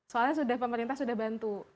soalnya pemerintah sudah bantu